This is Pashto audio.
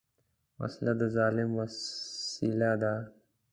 وسله د ظلم وسیله ده